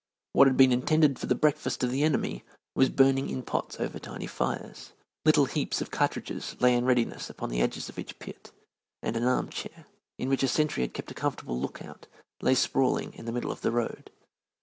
What had been intended for the breakfast of the enemy was burning in pots over tiny fires, little heaps of cartridges lay in readiness upon the edges of each pit, and an arm chair, in which a sentry had kept a comfortable lookout, lay sprawling in the middle of the road.